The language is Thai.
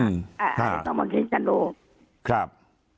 เอ่อต้องมาคิดกันดูครับ